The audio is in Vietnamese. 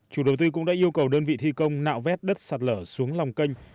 chủ đầu tư cũng đã yêu cầu đơn vị thi công nạo vét đất sạt lở xuống lòng canh